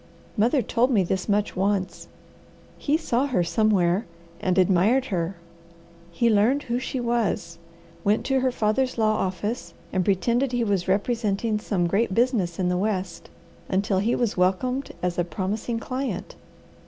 Mother told me this much once. He saw her somewhere and admired her. He learned who she was, went to her father's law office and pretended he was representing some great business in the West, until he was welcomed as a promising client.